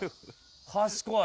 賢い。